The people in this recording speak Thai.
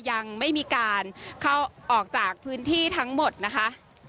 ยังไม่มีการเข้าออกจากพื้นที่ทั้งหมดนะคะ